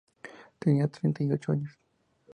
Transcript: Tenía treinta y ocho años.